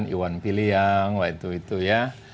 dua ribu delapan iwan piliang waktu itu ya